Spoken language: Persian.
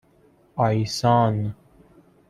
آیسان